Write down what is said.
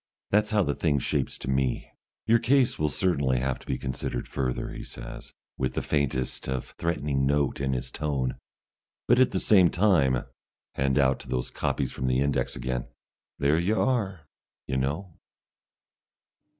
That's how the thing shapes to me." "Your case will certainly have to be considered further," he says, with the faintest of threatening notes in his tone. "But at the same time" hand out to those copies from the index again "there you are, you know!"